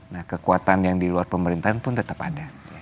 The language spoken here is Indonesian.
nah kekuatan yang di luar pemerintahan pun tetap ada